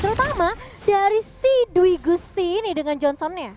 terutama dari si dwi gusti ini dengan johnsonnya